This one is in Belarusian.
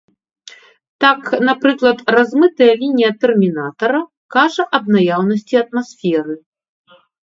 Так, напрыклад, размытая лінія тэрмінатара кажа аб наяўнасці атмасферы.